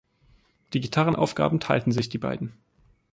Die Gitarrenaufgaben teilten sich die beiden.